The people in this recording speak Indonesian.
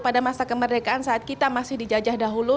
pada masa kemerdekaan saat kita masih dijajah dahulu